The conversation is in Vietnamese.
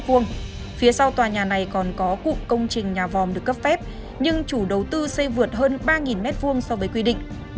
phía sau tòa nhà này còn có cụm công trình nhà vòm được cấp phép nhưng chủ đầu tư xây vượt hơn ba m hai so với quy định